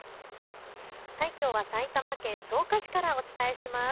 きょうは埼玉県草加市からお伝えします。